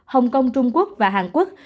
hồng kông trung quốc và hàn quốc